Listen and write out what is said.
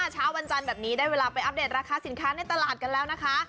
เช้าวันจันทร์แบบนี้ได้เวลาไปอัปเดตราคาสินค้าในตลาดกันแล้วนะคะ